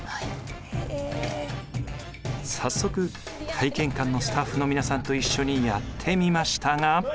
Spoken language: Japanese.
早速体験館のスタッフの皆さんと一緒にやってみましたが。